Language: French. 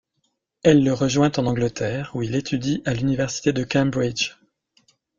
Elle le rejoint en Angleterre où il étudie à l'université de Cambridge.